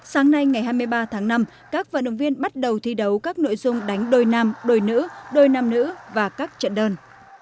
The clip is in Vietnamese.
sáng nay ngày hai mươi ba tháng năm các vận động viên bắt đầu thi đấu các nội dung đánh đôi nam đôi nữ đôi nam nữ và các trận đơn